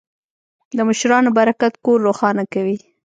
د مشرانو برکت کور روښانه کوي.